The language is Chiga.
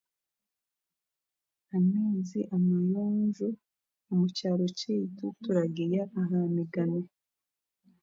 Amaizi amayonjo omu kyaro kyaitu turagaiya aha migano.